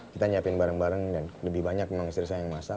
kita nyiapin bareng bareng dan lebih banyak memang istri saya yang masak